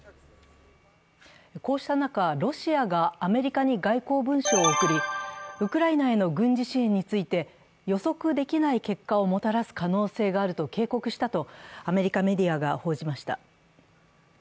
こうした中、ロシアがアメリカに外交文書を送りウクライナへの軍事支援について、予測できない結果をもたらす可能性があると警告したとアメリカメディアが報じました。